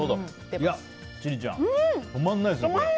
千里ちゃん、止まらないですね。